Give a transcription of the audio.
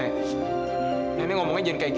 ayah gimana awak saja semangat obtaining ya